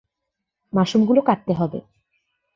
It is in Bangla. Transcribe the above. মাশরুমগুলো কাটতে হবে।